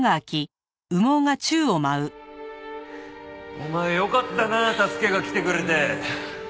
お前よかったなあ助けが来てくれて。